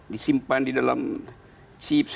disimpan di dalam chips